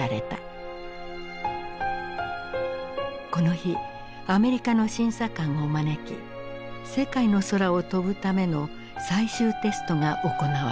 この日アメリカの審査官を招き世界の空を飛ぶための最終テストが行われる。